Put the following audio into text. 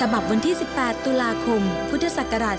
ฉบับวันที่๑๘ตุลาคมพุทธศักราช๒๕